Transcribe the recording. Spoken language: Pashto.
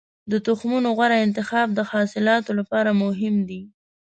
د تخمونو غوره انتخاب د حاصلاتو لپاره مهم دی.